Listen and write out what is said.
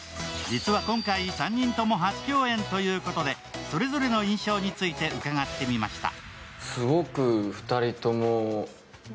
実は今回３人とも初共演ということで、それぞれの印象について伺ってみました。